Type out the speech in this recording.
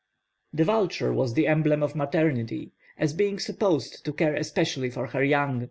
The vulture was the emblem of maternity, as being supposed to care especially for her young.